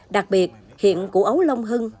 đặc biệt hiện củ ấu long hương